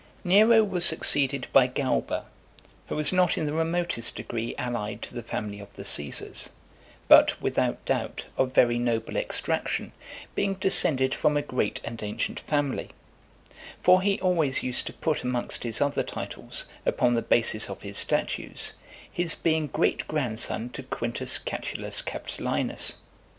II. Nero was succeeded by Galba , who was not in the remotest degree allied to the family of the Caesars, but, without doubt, of very noble extraction, being descended from a great and ancient family; for he always used to put amongst his other titles, upon the bases of his statues, his being great grandson to Q. Catulus Capitolinus.